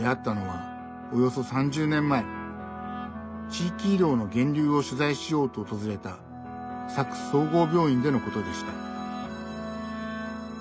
地域医療の源流を取材しようと訪れた佐久総合病院でのことでした。